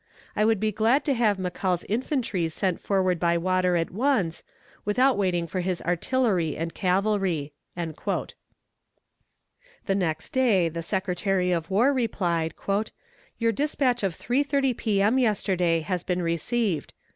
I would be glad to have McCall's infantry sent forward by water at once, without waiting for his artillery and cavalry." The next day the Secretary of War replied: "Your despatch of 3.30 p. m. yesterday has been received.